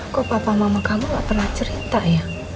kok papa mama kamu gak pernah cerita ya